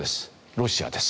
ロシアです。